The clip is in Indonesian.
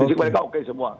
fisik mereka oke semua